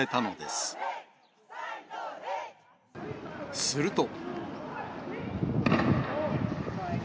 すると。